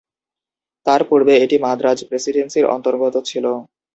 তার পূর্বে এটি মাদ্রাজ প্রেসিডেন্সির অন্তর্গত ছিল।